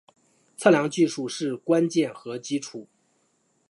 测量技术是关键和基础。